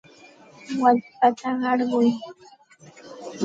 Wallpata qarquy.